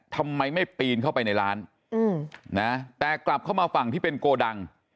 ทำไมไม่ปีนเข้าไปในร้านแต่กลับเข้ามาฝั่งที่เป็นโกดัง